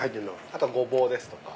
あとゴボウですとか。